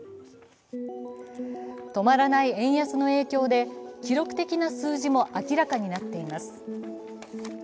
止まらない円安の影響で記録的な数字も明らかになっています。